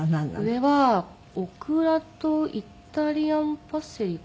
上はオクラとイタリアンパセリかな？